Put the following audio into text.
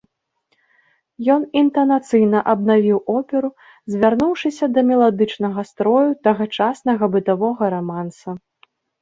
Ён інтанацыйна абнавіў оперу, звярнуўшыся да меладычнага строю тагачаснага бытавога раманса.